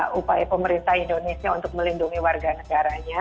upaya pemerintah indonesia untuk melindungi warga negaranya